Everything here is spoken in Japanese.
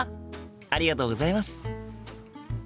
ありがとうございます。